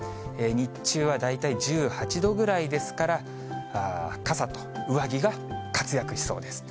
日中は大体１８度ぐらいですから、傘と上着が活躍しそうです。